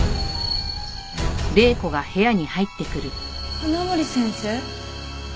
花森先生？